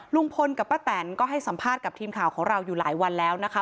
ลุงพลกับป้าแตนก็ให้สัมภาษณ์กับทีมข่าวของเราอยู่หลายวันแล้วนะคะ